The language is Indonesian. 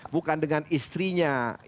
bukan dengan istrinya